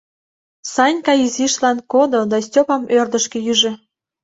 Санька изишлан кодо да Стёпам ӧрдыжкӧ ӱжӧ: